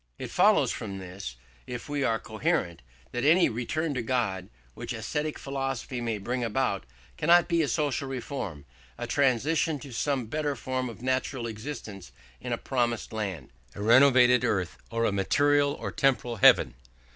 It follows from this, if we are coherent, that any "return to God" which ascetic philosophy may bring about cannot be a social reform, a transition to some better form of natural existence in a promised land, a renovated earth, or a material or temporal heaven.